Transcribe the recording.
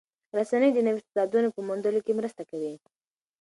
رسنۍ د نویو استعدادونو په موندلو کې مرسته کوي.